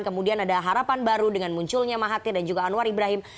kemudian ada harapan baru dengan munculnya mahathir dan juga anwar ibrahim